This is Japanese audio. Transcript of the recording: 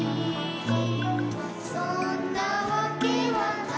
「そんなわけはないけれど」